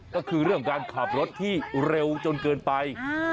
ก็คือเรื่องการขับรถที่เร็วจนเกินไป